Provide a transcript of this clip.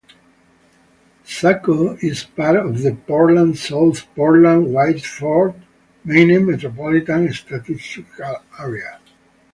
Saco is part of the Portland-South Portland-Biddeford, Maine metropolitan statistical area.